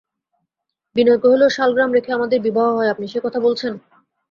বিনয় কহিল, শালগ্রাম রেখে আমাদের বিবাহ হয়, আপনি সেই কথা বলছেন?